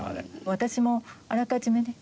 私もあらかじめね